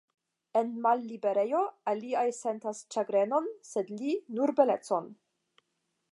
En malliberejo, aliaj sentas ĉagrenon, sed li, nur belecon.